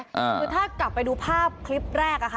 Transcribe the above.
คือถ้ากลับไปดูภาพคลิปแรก